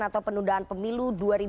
atau penundaan pemilu dua ribu dua puluh